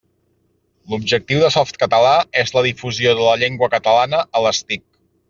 L'objectiu de Softcatalà és la difusió de la llengua catalana a les TIC.